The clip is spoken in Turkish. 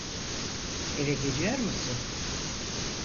Eve geliyor musun?